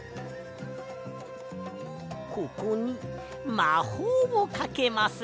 ここにまほうをかけます。